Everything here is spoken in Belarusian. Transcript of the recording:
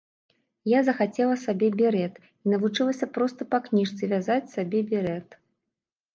Я захацела сабе берэт і навучылася проста па кніжцы вязаць сабе берэт.